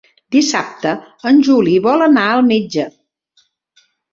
Dissabte en Juli vol anar al metge.